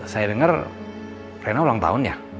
saya dengar rena ulang tahun ya